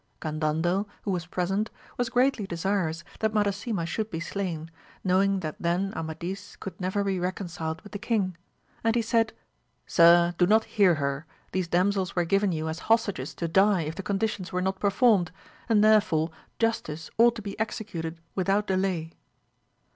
AMADIS OF GAUL 129 Gandandel, who was present, was greatly desirous that Madasima should be slain, knowing that then Amadis could never be reconciled with the king ; and he said, Sir, do not hear her, these damsels were given you as hostages to die if the conditions were not performed, and therefore justice ought to be executed without delay.